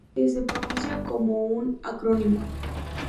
Normalmente se pronuncia como un acrónimo.